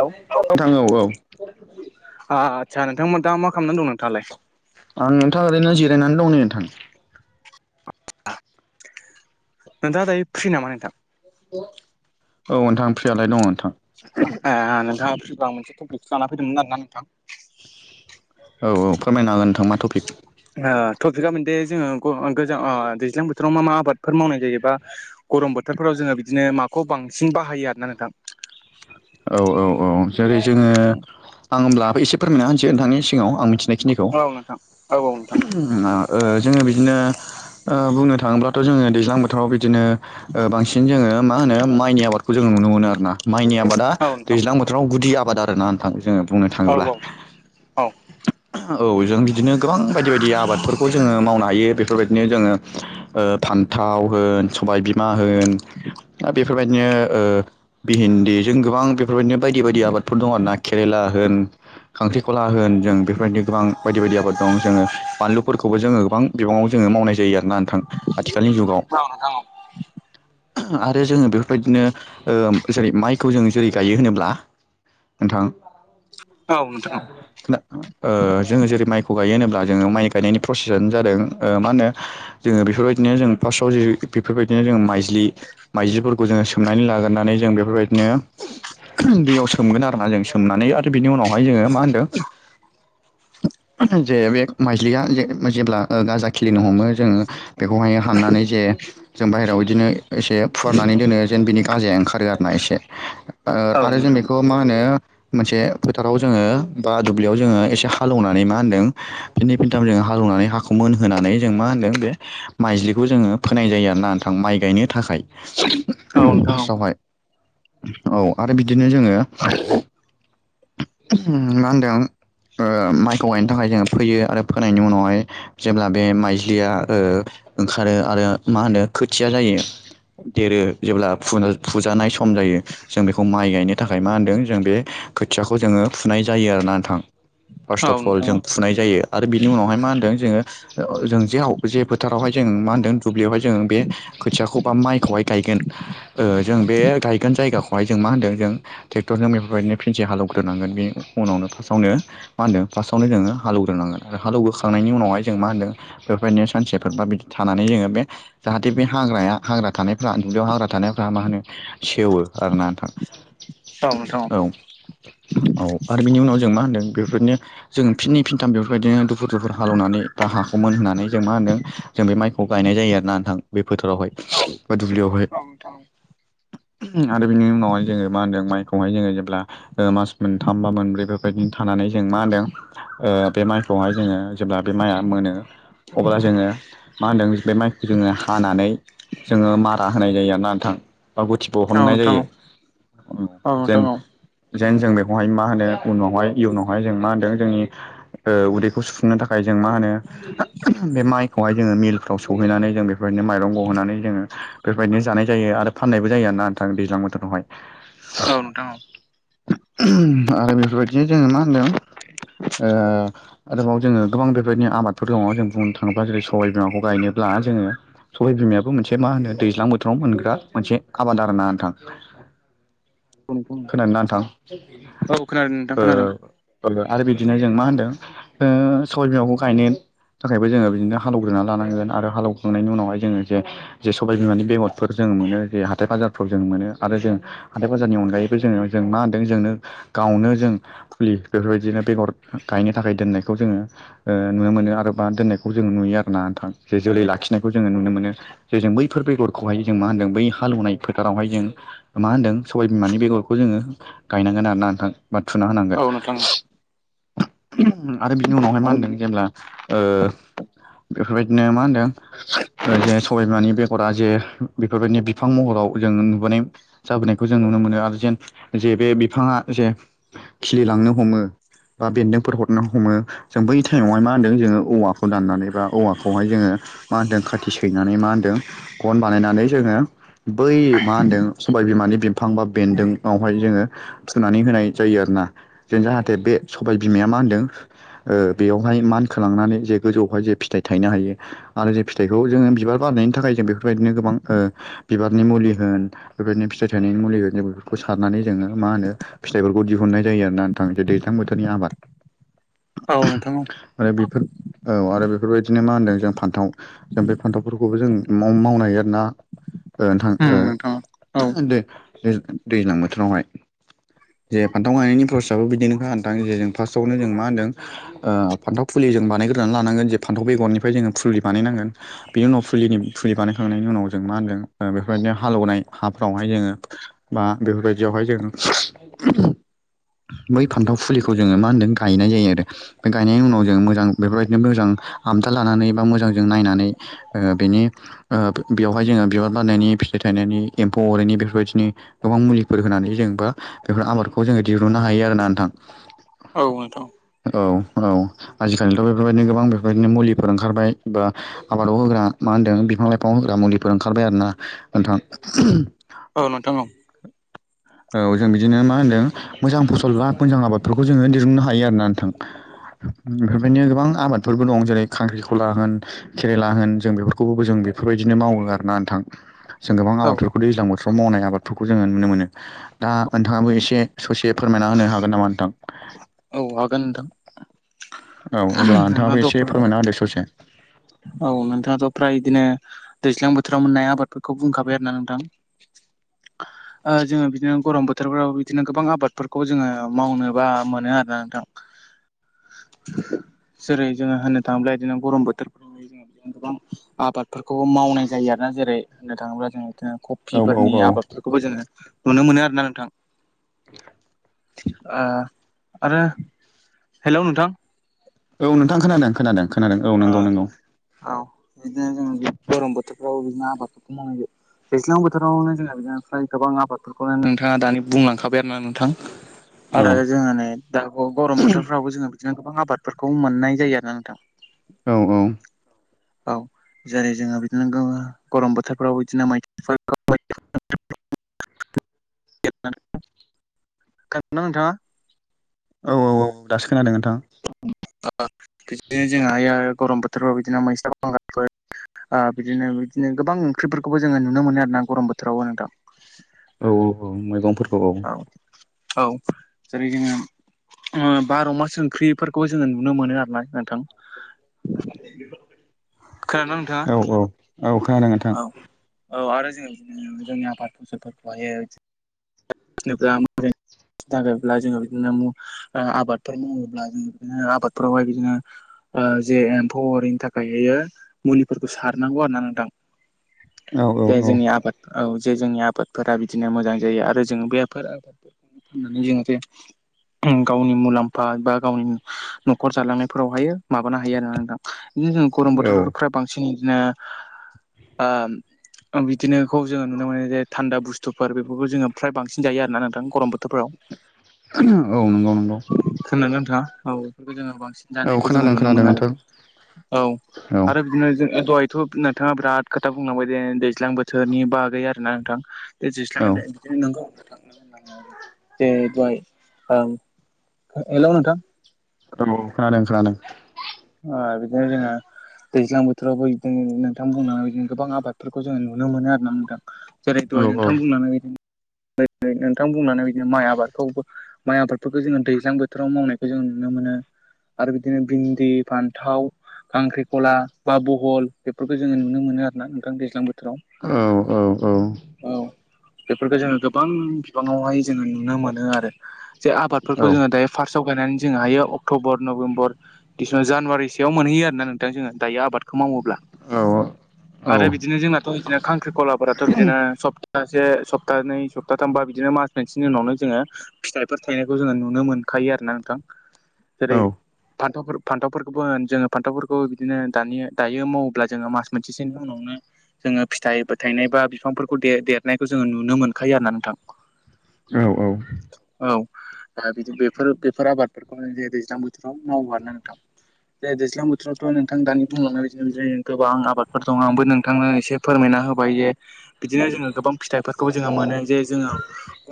Hello नोंथां औ औ आ आदसा नोंथां-नोंथाङा मा खालामनानै दं नोंथाङालाय? आं नोंथा ओरैनो जिरायनानै दं नै नोंथां नोंथाङा दायो फ्रि नामा नोंथां? औ नोंथां प्रियालाय दङ नोंथां ए नोंथाङा फ्रिबा मोनसे टपिकसो लानानै फैदोंमोन आरो ना नोंथां औ औ फोरमायना हो नोंथां मा टपिक ओ टपिकआ मोन बे जोङो गोजां ओ दैज्लां बोथोराव मा मा आबाद फोर मावनाय जायोबा गरम बोथोरफोराव जोङो बिदिनो माखौ बांसिन बाहायो आरोना नोंथां औ औ औ जेरै जोङो आं होमब्ला एसे फोरमायना होनसै नोंथांनि सिगाङाव आं मि मिथिनायखिनिखौ औ नोंथां औ औ नोंथां ओहोम ओ जोङो बिदिनो ओ बुंनो थाङोब्लाथ' जोङो दैज्लां बोथोराव बिदिनो ओ बांसिन जोङो मा मा होनो माइनि आबादखौ जों नुनो मोनो आरो ना माइनि आबादा औ नोंथां दैज्लां बोथोराव गुदि आबाद आरोना नोंथां जोङो बुंनो औ थाङोब्ला औ औ जों बिदिनो गोबां बायदि-बायदि आबादफोरखौ जोङो मावनो हायो बेफोर बेफोरबायदिनो जोङो फान्थाव होन सबायबिमा होन आरो बेफोरबायदिनो ओ भेहेन्दि जों गोबां बेफोरबायदिनो बायदि-बायदि आबादफोर दं आरो ना केेरेला होन खांख्रिखला होन जों बेफोरबायदि गोबां बायदि-बायदि आबाद दं जोङो बानलुफोरखौ खौबो जो गोबां बिबाङाव जोङो मावनाय जायो आरो ना नोंथां आथिखालनि जुगाव [unintelligible] आरो जोङो बेफोरबायदिनो ओ जेरै माइखौ जों जेरै गायो होनोब्ला नोंथां औ औ नोंथां औ नोंथां ओ जोङो जेरै माइखौ खौ गायो होनोब्ला जोङो माइ गायनायनि प्रसेसानो जादों मा होनो जोङो बेफोरबायदिनो जों फार्स्टआव जि बेफोरबायदिनो जों माइजलि माइजलिफोरखौ जोङो सोमनानै लाग्रानै जों बेफोरबायदिनो दैयाव सोमगोन आरोना जों सोमनानै आरो बिनि उनावहाय जोङो मा होनदों [inaudible] जे बे माइस्लिया जे जेब्ला गाजा खिलिनो हमो जोङो बेखौहाय हाननानै जे जों बाहेरायाव बिदिनो एसे फुवारनानै दोनो जेन बिनि गाजाया ओंखारो आरो ना एसे ओ औ नोंथां औ आरो जों नोंथां बेखौ मा होनो मोनसे फोथाराव जोङो बा दुब्लियाव जोङो एसे हालौनानै मा होनदों फिननै फिनथाम जों हालौनानै हाखौ मोनहोनानै जों मा होनदों बे माइज्लिखौ जोङो फोनाय जायो आरोना नोंथां माइ गायनो थाखाय। [unintelligible] औ नोंथां औ फार्स्टआवहाय औ आरो बिदिनो जोङो मा होनदों? ओ माइखौ गायनो थाखाय जोङो फोयो आरो फोनायनि उनावहाय जेब्ला बे माइज्लिया ओ ओंखारो आरो मा होनो खोथिया जायो। देरो जेब्ला फुनो फुजानाय सम जायो। जों बेखौ माइ गायनो थाखाय मा होनदों जों बे खोथियाखौ जोङो फुनाय जायो आरोना नोंथां। फार्स्ट औ अफ अल नोंथां जों औ फुनाय जायो आरो बिनि उनावहाय मा होनदों। जोङो जों जेव जे फोथारावहाय जों मा होनदों दुब्लियावहाय जों बे खोथियाखौ बा माइखौहाय गायगोन ओ जों बे गाय गोन जायगाखौहाय जों मा होनदों जों ट्रेक्टरजों बेफोरबायदिनो फिनसे हालौग्रोनांगोन बेनि उनाव फार्स्टआवनो मा होन्दों फार्स्टआवनो जोङो हालौग्रोनांगोन आरो हालौग्रोखांनायनि उनावहाय जों मा होनदों बेफोरबायदिनो सानसेफोर बा बिदि थानानै जोङो बे जाहाथे बे हाग्राया हाग्रा थानायफ्रा दुब्लियाव हाग्रा थानायफ्रा मा होनो सेवो आरो ना नोंथां। औ नोंथां औ आरो बिनि उनाव जों मा होनदों। बेफोरदिनो जों फिनै फिनथाम बेफोरबायदिनो दुफुर दुफुर हालेवनानै बा हा मोन होननानै जों मा होनदों जों बे माइखौ गायनाय जायो आरोना नोंथां। बे फोथारावहाय बा दुब्लियावहाय आरो बिनि उनावहाय जोङो मा होनदों माइखौहाय जोङो जेब्ला ओ मास मोनथाम बा मोनब्रै बेफोरबायदि थानानै जों मा होनदों ओ बे माइखौहाय जोङो जेब्ला बे माइआ मोनो अब्ला जोङो मा होनदों बे माइखौ जोङो हानानै जोङो मारा होनाय जायो आरोना नोंथां। बा गुथि औ औ बहननाय नोंथां जायो जेन जेन जों बेहाय मा होनो उनावहाय इयुनावहाय जों मा होनदों जोंनि ओ उदैखौ सुफुंनो थाखाय जों मा होनो बे माइखौहाय जोङो मिलफ्राव सहैनानै जों बेफोर बिदिनो माइरं गहोनानै जोङो बेफोरबायदिनो जानाय जायो आरो फाननायबो जायो आरोना नोंथां दैज्लां बोथोरावहाय। औ नोंथां औ। आरो बेफोरबायदिनो जोङो मा होनदों ओ आरोबाव जोङो गोबां बेबायदिनो आबादफोर दङ जों बुंनो थाङोब्ला जेरै सबबाय बिमाखौ गायनोब्ला दा जोङो सबाय बिमायाबो मोनसे मा होनो दैज्लां बोथोराव मोनग्रा मोनसे आबाद आरो ना नोंथां। [unintelligible] खोनादों ना नोंथां औ खोनादों नोंथां खोनादों ओ आरो बिदिनो जों मा होनदों? ओ सबाय बिमाखौ गायनो थाखायबो जोङो बिदिनो हालौग्रोना लानांगोन आरो हालौखांनायनि उनावहाय जोङो जे जे सबाय बिमानि बेगरफोर जों जों मोनो जे हाथाय बाजारफ्राव जों मोनो आरो जों हाथाय बाजारनि अनगायैबो जोङो जों मा होनदों जोंनो गावनो जों फुलि बेफोरबायदिनो बेगर गायनो थाखाय दोननायखौ जोङो नुनो मोनो आरो बा दोननायखौ जों नुयो आरोना नोंथां। जे जोलै लाखिनायखौ जोङो नुनो मोनो जे जों बैफोर बेगरखौहाय जों मा होनदों बै हालौनाय फोथारावहाय जों मा होनदों सबाय बिमानि बेगर खौ जोङो गायनांगोन आरो नोंथां बा थुना होनांगोन। औ नोंथां आरो बिनि उनावहाय मा आरो होनदों जेब्ला बेफोरबायदिनो मा होनदों जे सबाय बिमानि बेगरा जे बेफोरबायदिनो बिफां महराव जों नुबाय जाबोनायखौ जों नुनो मोनो आरो जेन जे बे बिफाङा जे खिलिलांनो हमो। बा बेन्दोंफोर हरनो हमो जों बै टाइमावहाय मा होनदों जोङो औवाखौ दाननानै बा औवाखौहाय जोङो मा होनदों खाथि सैनानै मा होनदों गन बानायनानै जोङो बै मा होनदों [unintelligible] बिफां बा बेन्दों उनावहाय जोङो फुनानै होनाय जायो आरोना जेन जाहाथे बे सबाय बिमाया मा होनदों बेयावहाय मानखोलांनानै जे गोजौआवहाय जे फिथाइ थायनो हायो आरो जे फिथाइखौ जों बिबार बार थाखाय जों बेफोरबायदिनो गोबां बिबारनि मुलि होन बेबायदिनो फिथाइ थाइनायनि मुलि होन जों बे खौ सारनानै जोङो मा होनो फिथाइफोरखौ दिहुननाय जायो आरोना नोंथां जे दैज्लां बोथोरनि आबाद। औ नोंथां औ। आरो बेफोर औ आरो बेफोरबायदिनो मा होनदों जों फान्थाव जों बे फान्थावफोरखौबो जों माव-मावनो हायो आरोना उम औ नोंथां [unintelligible] दे दैज्लां बोथोरावहाय। जे फान्थाव गायनायनि प्रसेसाबबो बिदिनो नोंथां जे जों फास्टआवनो जों मा होनदों फान्थाव फुलि जों बानायग्रोनानै लानांगोन जे फान्थाव बेगरनिफ्राय जोङो फुलि बानायनांगोन बिनि उनाव फुलिनि फुलि बानाय खांनायनि उनाव जों मा होनगोन बेफोरबायदिनो हालेवनाय हाफोरावहाय जोङो बा बेफोरबायदियावहाय जों [inaudible] बै फान्थाव फुलिखौ जोङो मा होनदों गायनाय जायो आरो बे गायनायनि उनाव जों मोजां बेफोर बायदिनो मोजां हमथा लानानै बा मोजांजों नायनानै बेनि बेयावहाय जोङो बिबार बारनायनि फिथाइ एम्फौ अरिनि बेफोरबायदिनो गोबां मुलिफोर होनानै जों बा बेफोर आबादखौ जोङो दिहुननो हायो आरोना नोंथां। औ नोंथां। औ औ आजि खालिथ' बेफोर बायदिनो गोबां बेफोरबायदिनो मुलिफोर ओंखारबाय बा आबादाव होग्रा मा होनदों बिफां लाइफां होग्रा मुलिफोर ओंखारबाय आरोना नोंथां। औ नोंथां औ। औ जों बिदिनो मा होन्दों मोजां फसल बा मोजां आबादफोरखौ जोङो दिरुननो हायो आरोना नोंथां। बेफोर [unintelligible] गोबां आबादफोरबो दं जेरै खांख्रि खला होन केेरेला होन जों बेफोरखौबो जों बेफोरबायदिनो मावो आरोना नोंथां जों गोबां औ औ आबादफोरखौ दैजां बोथोराव मावनाय आबाद फोरखौ जोङो नुनो मोनो दा नोंथाङाबो एसे ससे फोरमायना होनो हागोन नामा नोंथां? औ हागोन नोंथां। औ अब्ला नोंथाङाबो नोंथाङाथ' एसे फोरमायना होदो ससे। औ नोंथाङाथ' फ्राय बिदिनो दैज्लां बोथोराव मोननाय आबादफोरखौ बुंखाबाय आरोना नोंथां। [inaudible] जोङो बिदिनो गरम बोथोरफ्राव बिदिनो गोबां आबादफोरखौ जोङो मावनो बा मोनो आरोना नोंथां। जेरै जोङो होननो थाङोब्ला बिदिनो गरम बोथोर [unintelligible] आबादफोरखौबो मावनाय जायो आरोना जेरै होननो थाङोब्ला जोंङो औ औ कफिफोरनि औ आबादफोरखौबो जोङो नुनो मोनो आरोना नोंथां। ओ आरो हेलौ नोंथां? औ नोंथां खोनादों खोनादों खोनादों औ ओ नंगौ नंगौ। औ बिदिनो जों गरम बोथोरफ्रावबो बिदिनो आबादफोरखौ मावनाय जायो। दैज्लां बोथोरावनो जोंहा बेनिफ्राय गोबां आबादफोरखौनो नोंथाङा दानि बुंलांखाबाय आरोना नोंथां। औ आरो जोङो नै दाबाव गरम बोथोरफ्रावबो जोङो बिदिनो गोबां आबादफोरखौ मोननाय जायो आरोना नोंथां। औ औ। औ जेरै जोङो बिदिनो गरम बोथोरफ्राव बिदिनो [unintelligible] [unintelligible] [unintelligible] खोनादोंना नोंथाङा? औ औ औ दासो खोनादों नोंथां। [unintelligible] बिदिनो जों [unintelligible] गरम बोथोरफ्राव बिदिनो मैस्ला बांगालफोर आ, बिदिनो बिदिनो गोबां ओंख्रिफोरखौबो जोङो नुनो मोनो आरोना गरम बोथोरावबो नोंथां। औ औ औ मैगंफोरखौ औ‌। औ औ जेरै जोङो बार' मास ओंख्रिफोरखौबो जोङो नुनो मोनो आरोना नोंथां। खोनादोंना नोंथाङा? औ औ औ। खोनादों नोंथां। औ औ आरो जोङो ओम जोंनि आफाद फसलफोरखौ हायो [unintelligible] नोब्ला मो [unintelligible] थाखायब्ला जोङो बिदिनो मु आ-आबादफोर मावोब्ला जों बिदिनो आबादफोरावहाय बिदिनो ओ, जेरै एम्फौ अरैनि थाखाययो मुलिफोरखौ सारनांगौ आरो ना नोंथां। औ औ जे औ जोंनि आबाद औ जे जोंनि आबादफोरा बिदिनो मोजां जायो आरो जों बेफोर मानि जों बे गावनि मुलाम्फा बा गावनि न'खर जालांनायफोरावहायो माबानो हायो आरो नोंथां। बिदिनो जों गरम औ बोथोरफ्रा बांसि नो ओ, बिदिनोखौ जोङो नुनो मोनो जे थान्दा बुस्थुफोर बेफोरखौ जोङो फ्राय बांसिन जायो आरो ना नोंथां गरम बो औ नंगौ नंगौ। आ ओ बेखौ जों बांसिन औ जानायखौ जोङो खोनादों नुनो खोनादों मोनो आरो नोंथां औ औ आरो बिदिनो जो दहायथ' नो थाङा बिराद खोथा बुंलांबाय दे दैज्लां बोथोरनि बागै आरो ना नोंथां। ए जिस्लां औ ए, दहाय ओ, हेल' नोंथां औ, खोनादों खोनादों। ओ, बिदिनो जोङो दैज्लां बोथोरावबो बिदिनो नोंथां बुंनानैदि गोबां आबादफोरखौ जोंङो नुनो मोनो आरो ना नोंथां। जेरै औ दहाय नोंथां बुंलांनाय बादिनो नो-नोंथां बुंलांनाय बादिनो माइ आबादखौबो माइ आबादफोरखौ जोङो दैज्लां बोथोराव मावनायखौ जों नुनो मोनो। आरो बिदिनो भिनदि फान्थाव खांख्रिख'ला बा बहल बेफोरखौ जोङो नुनो मोनो आरो ना नोंथां दैज्लां बो औ औ औ। बेफोरखौ जोङो गोबां बिबाङावहाय जोङो नुनो मोनो आरो जे आबादफोरखौ जोङो दायो फार्स्ट आव गायनानै जोङो हायो अक्ट'बर, नभेम्बर, दिसेमबर जानुवारिसोयाव मोनहैयो आरो नोंथां जोङो। दायो आबाद खौ मावोब्ला आरो बिदिनो जोंनाथ' बिदिनो खांख्रिखलाफोराथ' बिदिनो सब तासे सप्तानै सप्ताथामबा बिदिनो मास मोनसेनि उनावनो जोङो फिथाइफोर थायनायखौ जोङो नुनो मोन खायो आरो ना नोंथां। जेरै फान्थावफोर फान्थावफोरखौबो होन जोङो फान्थावफोरखौ बिदिनो दानि दायो मावोब्ला जोङो मास मोनसेसोनि उनावनो जोङो फिथाइ फोथायनाय बा बिफांफोरखौ दे-देरनायखौ जोङो नुनो मोनखायो आरो ना नोंथां। औ औ। औ दा बिदि बेफोर बेफोर आबादफोरखौ दैज्लां बोथोराव मावो नोंथां। जे दैज्लां बोथोरावथ' नोंथां दानि बुंलांनाय बिदिनो जों गोबां आबादफोर दङ आंबो नोंथांनो एसे फोरमायना हो बाय जे बिदिनो जोङो गोबां फिथफोरखौबो जोङो मोनो जे जो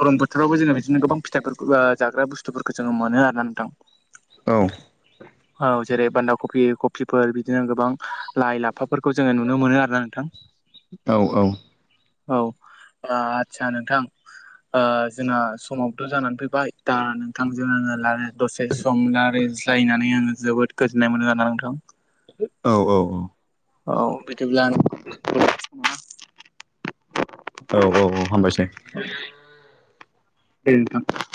गरम बो थोरावबो जोङो बिदिनो गोबां फिथाइफोरखौ आ, जाग्रा बुस्थुफोरखौ जोङो मोनो आरो ना नोंथां। औ जेरै बान्दा कफि कफिफोर बिदिनो गोबां लाइ लाफाफोरखौ जोङो नुनो मोनो आरो ना नोंथां। औ औ। औ, आ आदसा नोंथां ओ, जोंना समावथ' जानानै फैबाय दा नोंथांजों आङो लाराय दसे सम लारा ज्लायनानै आङो जोबोद गोजोननाय मोनो आरो ना नोंथां। औ औ औ। औ बिदिब्ला [inaudible] औ औ औ हामबायसै। दे नोंथां।